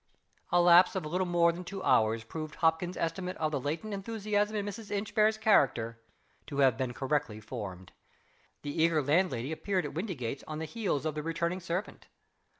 A lapse of little more than two hours proved Hopkins's estimate of the latent enthusiasm in Mrs. Inchbare's character to have been correctly formed. The eager landlady appeared at Windygates on the heels of the returning servant.